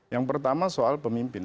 yang pertama soal pemimpin